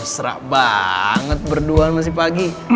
mesra banget berduaan masih pagi